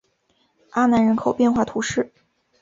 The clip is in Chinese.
阿南人口变化图示